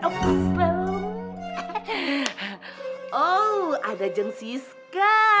oh ada jeng siska